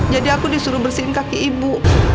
jadi aku disuruh bersihin kaki ibu